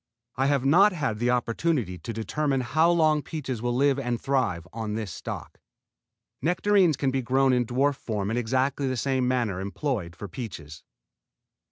I have not had an opportunity to determine how long peaches will live and thrive on this stock. Nectarines can be grown in dwarf form in exactly the same manner employed for peaches.